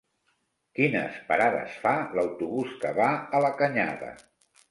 Quines parades fa l'autobús que va a la Canyada?